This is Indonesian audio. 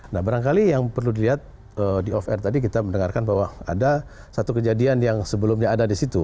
nah barangkali yang perlu dilihat di off air tadi kita mendengarkan bahwa ada satu kejadian yang sebelumnya ada di situ